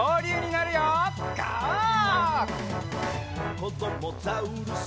「こどもザウルス